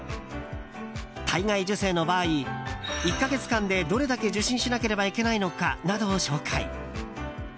体外受精の場合１か月間でどれだけ受診しなければいけないのかなどを紹介。